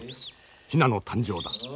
ヒナの誕生だ。